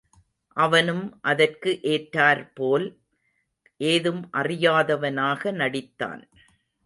அவனும், அதற்கு ஏற்றார் போல் ஏதும் அறியதவனாக நடித்தான்.